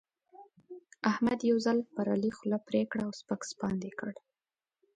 احمد یو ځل پر علي خوله پرې کړه او سپک سپاند يې کړ.